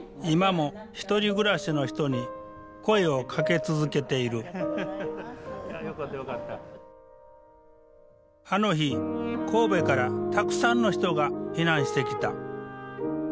今も１人暮らしの人に声をかけ続けているあの日神戸からたくさんの人が避難してきた。